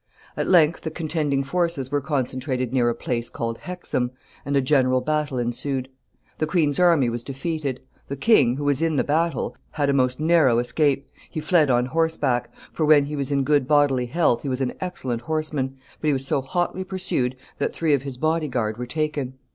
At length the contending forces were concentrated near a place called Hexham, and a general battle ensued. The queen's army was defeated. The king, who was in the battle, had a most narrow escape. He fled on horseback for when he was in good bodily health he was an excellent horseman but he was so hotly pursued that three of his body guard were taken.